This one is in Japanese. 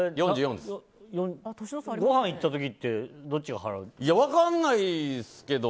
ごはん行った時って分からないですけど。